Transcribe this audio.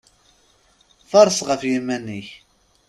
Faṛes ɣef yiman-ik!